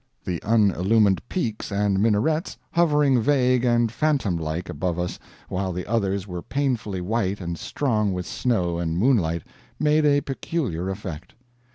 The unillumined peaks and minarets, hovering vague and phantom like above us while the others were painfully white and strong with snow and moonlight, made a peculiar effect.